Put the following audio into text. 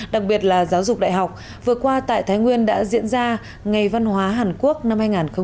đặc biệt là giáo dục đại học vừa qua tại thái nguyên đã diễn ra ngày văn hóa hàn quốc năm hai nghìn hai mươi